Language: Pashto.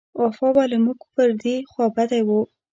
وفا به له موږ پر دې خوابدۍ و.